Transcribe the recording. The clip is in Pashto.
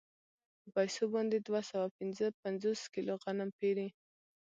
په پیسو باندې دوه سوه پنځه پنځوس کیلو غنم پېري